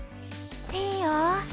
いいよ！